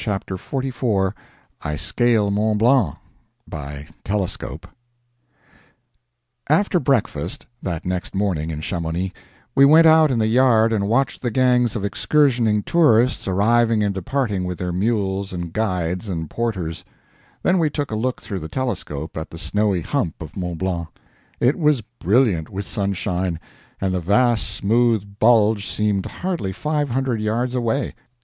CHAPTER XLIX [I Scale Mont Blanc by Telescope] After breakfast, that next morning in Chamonix, we went out in the yard and watched the gangs of excursioning tourists arriving and departing with their mules and guides and porters; then we took a look through the telescope at the snowy hump of Mont Blanc. It was brilliant with sunshine, and the vast smooth bulge seemed hardly five hundred yards away.